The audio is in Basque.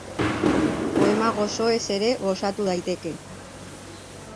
Poema gozoez ere gozatu daiteke.